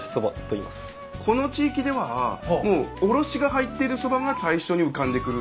この地域ではもうおろしが入ってるそばが最初に浮かんでくる。